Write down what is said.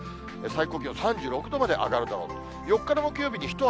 最高気温３６度まで上がるだろうと。